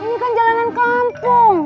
ini kan jalanan kampung